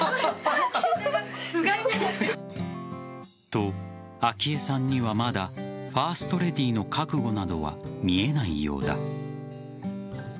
と、昭恵さんにはまだファーストレディーの覚悟などは見えないようだ。